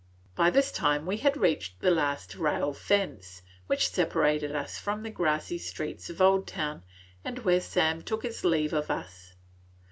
By this time we had reached the last rail fence which separated us from the grassy street of Oldtown, and here Sam took his leave of us.